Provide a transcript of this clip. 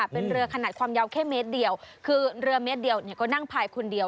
เป็นเรือขนาดความยาวแค่เมตรเดียวคือเรือเมตรเดียวก็นั่งพายคนเดียว